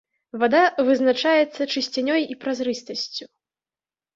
Вада вызначаецца чысцінёй і празрыстасцю.